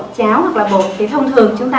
cháo hoặc là bột thì thông thường chúng ta